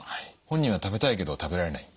本人は食べたいけど食べられない。